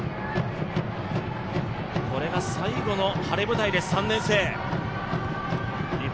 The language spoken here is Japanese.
これが最後の晴れ舞台です